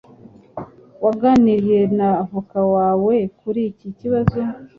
Waganiriye na avoka wawe kuri iki kibazo?